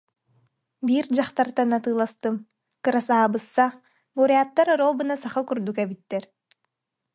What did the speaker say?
Биир дьахтартан атыыластым, кырасаабысса, буряттар оруобуна саха курдук эбиттэр